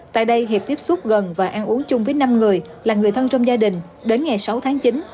tại đây hiệp tiếp xúc gần và ăn uống chung với năm người là người thân trong gia đình đến ngày sáu tháng chín